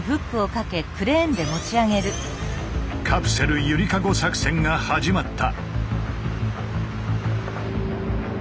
「カプセルゆりかご作戦」が始まった。